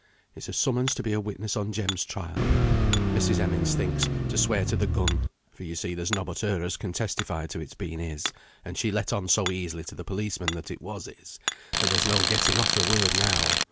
It's a summons to be a witness on Jem's trial Mrs. Heming thinks, to swear to the gun; for, yo see, there's nobbut her as can testify to its being his, and she let on so easily to the policeman that it was his, that there's no getting off her word now.